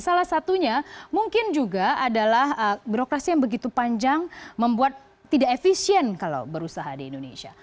salah satunya mungkin juga adalah birokrasi yang begitu panjang membuat tidak efisien kalau berusaha di indonesia